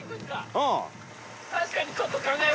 うん。